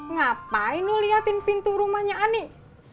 ngapain lo liatin pintu rumahnya anik